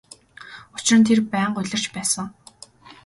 Учир нь тэр байнга улирч байсан.